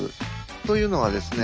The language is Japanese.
というのはですね